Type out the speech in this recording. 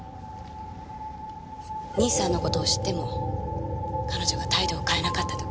兄さんの事を知っても彼女が態度を変えなかった時。